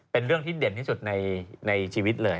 เป็นเรื่องที่เด่นที่สุดในชีวิตเลย